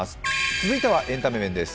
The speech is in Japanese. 続いてはエンタメ面です。